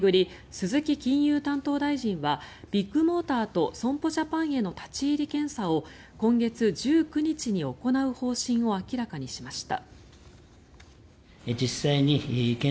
鈴木金融担当大臣はビッグモーターと損保ジャパンへの立ち入り検査を今月１９日に行う方針を明らかにしました。